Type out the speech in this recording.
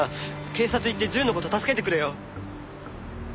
警察行って淳の事を助けてくれよ！